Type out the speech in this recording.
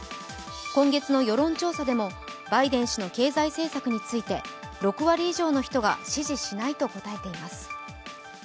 今月の世論調査でもバイデン氏の経済政策について６割以上の人が支持しないと答えています。